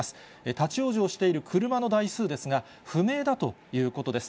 立往生している車の台数ですが、不明だということです。